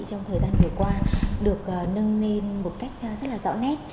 trong thời gian vừa qua được nâng lên một cách rất là rõ nét